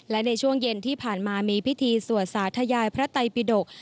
และในช่วงเย็นที่ผ่านมามีพิธีสวดสาธยายพระไตปิดก